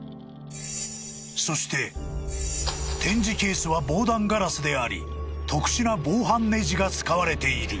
［そして展示ケースは防弾ガラスであり特殊な防犯ネジが使われている］